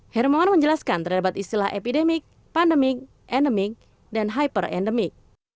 hermawan menjelaskan terdapat istilah epidemik pandemik endemik dan hyperendemik